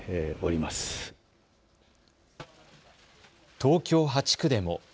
東京８区でも。